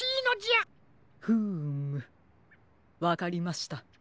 フームわかりました。